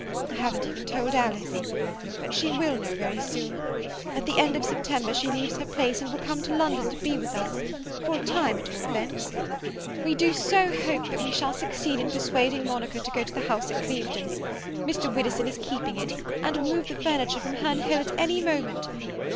I haven't even told Alice. But she will know very soon. At the end of September she leaves her place, and will come to London to be with us—for a time at all events. We do so hope that we shall succeed in persuading Monica to go to the house at Clevedon. Mr. Widdowson is keeping it, and will move the furniture from Herne Hill at any moment.